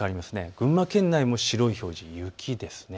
群馬県内も白い表示、雪です。